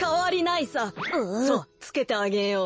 さあつけてあげよう。